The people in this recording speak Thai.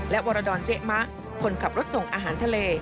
และวรดรเจ๊มะคนขับรถส่งอาหารทะเล